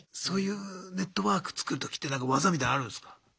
そういうネットワーク作るときってなんか技みたいのあるんすか？